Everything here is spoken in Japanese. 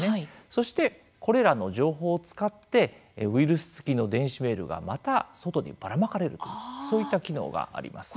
そしてこれらの情報を使ってウイルス付きの電子メールがまた外にばらまかれるそういった機能があります。